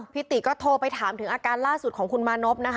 พี่ตีก็โทรไปถามอาการล่าสุดของคุณมานพ